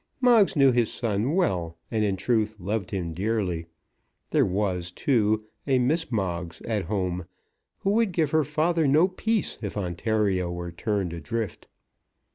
Moggs knew his son well, and in truth loved him dearly. There was, too, a Miss Moggs at home, who would give her father no peace if Ontario were turned adrift.